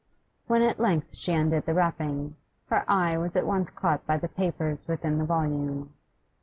When at length she undid the wrapping, her eye was at once caught by the papers within the volume.